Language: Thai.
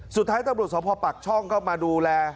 สุดท้ายตำรวจสภปักช่องก็มาดูแล